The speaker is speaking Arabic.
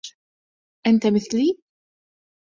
أنت مثلي.